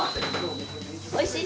おいしい？